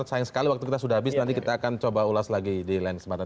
sayang sekali waktu kita sudah habis nanti kita akan coba ulas lagi di lain kesempatan